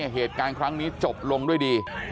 เหตุการณ์ครั้งนี้จบลงด้วยดี